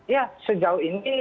ya sejauh ini